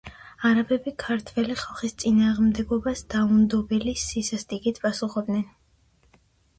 არაბები ქართველი ხალხის წინააღმდეგობას დაუნდობელი სისასტიკით პასუხობდნენ.